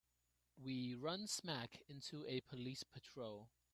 We run smack into a police patrol.